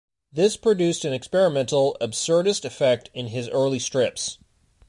This produced an experimental, absurdist effect in his early strips.